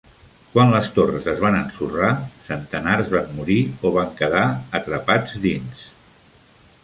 Quan les torres es van ensorrar, centenars van morir o van quedar atrapats dins.